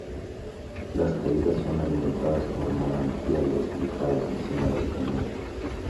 Las caídas son alimentadas por manantiales ubicados encima del cañón.